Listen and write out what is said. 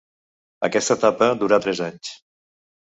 Aquesta etapa durà tres anys.